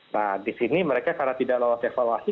nah di sini mereka karena tidak lolos evaluasi